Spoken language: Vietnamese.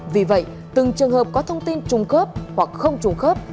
vì vậy từng trường hợp có thông tin trùng khớp hoặc không trùng khớp